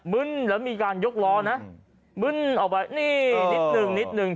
ึ้นแล้วมีการยกล้อนะมึ้นออกไปนี่นิดนึงนิดหนึ่ง